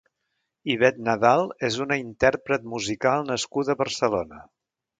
Ivette Nadal és una intérpret musical nascuda a Barcelona.